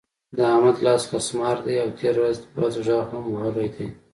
د احمد لاس خسمار دی؛ او تېره ورځ بد غږ هم وهلی دی.